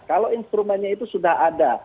kalau instrumennya itu sudah ada